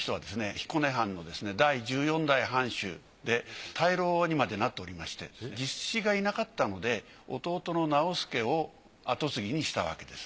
彦根藩の第１４代藩主で大老にまでなっておりまして実子がいなかったので弟の直弼を跡継ぎにしたわけです。